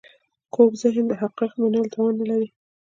کوږ ذهن د حقایقو منلو توان نه لري